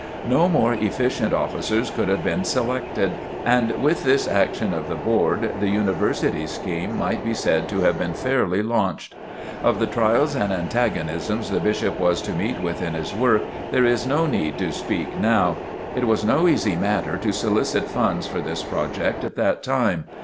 No more efficient officers could have been selected, and with this action of the Board, the University scheme might be said to have been fairly launched. Of the trials and antagonisms the Bishop was to meet with in his work, there is no need to speak now. It was no easy matter to solicit funds for this project at that time.